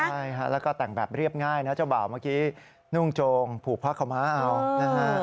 แล้วก็แต่งแบบเรียบง่ายนะเจ้าบ่าวเมื่อกี้นุ่งโจงผูกพักเข้ามาเอา